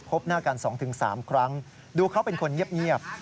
พบหน้ากัน๒๓ครั้งดูเขาเป็นคนเงียบ